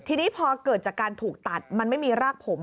ทีนี้พอเกิดจากการถูกตัดมันไม่มีรากผม